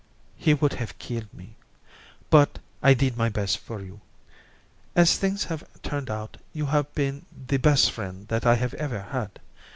He would have killed me. But I did my best for you. As things have turned out, you have been the best friend that I have ever had.